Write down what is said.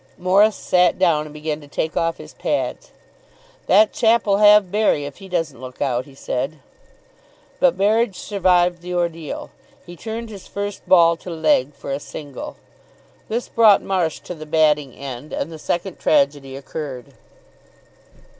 Morris sat down and began to take off his pads. "That chap'll have Berry, if he doesn't look out," he said. But Berridge survived the ordeal. He turned his first ball to leg for a single. This brought Marsh to the batting end; and the second tragedy occurred.